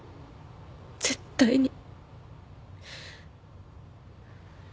絶対に。